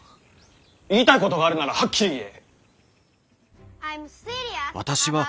言いたいことがあるならはっきり言え！